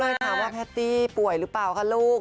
ถามว่าแพตตี้ป่วยหรือเปล่าคะลูก